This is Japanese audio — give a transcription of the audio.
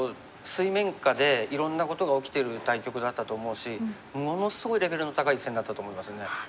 水面下でいろんなことが起きてる対局だったと思うしものすごいレベルの高い一戦だったと思いますね。